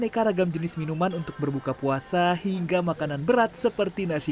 kesan pertama puasa pertama kan harus ya gitu dong